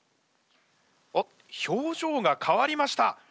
あっ表情が変わりました。